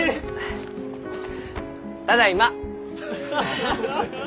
ただいま！